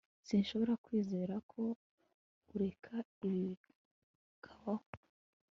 sinshobora kwizera ko ureka ibi bikabaho